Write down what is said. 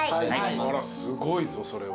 すごいぞそれは。